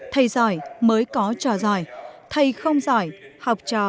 thầy giỏi mới có trò giỏi thầy không giỏi học sinh mới có trò giỏi